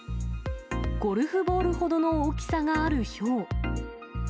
ゴルフボールほどの大きさがあるひょう。